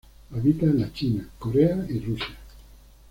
Habita en la China, Corea y Rusia.